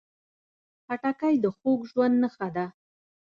خټکی د خوږ ژوند نښه ده.